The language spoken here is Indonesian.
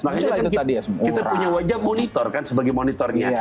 makanya kita punya wajah monitor kan sebagai monitornya